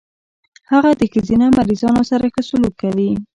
هغه د ښځينه مريضانو سره ښه سلوک کوي.